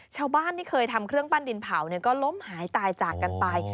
ชาวบ้านที่เคยทำเครื่องปั้นดินเผาก็ล้มหายตายจากกันไป